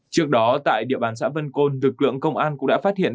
trước đó tại địa bàn xã vân côn lực lượng công an cũng đã phát hiện